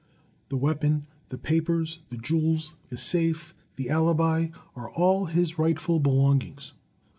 The Weapon, the Papers, the Jewels, the Safe, the Alibi, are all his rightful belongings.